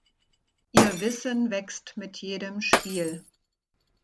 Ihr Wissen wächst mit jedem Spiel.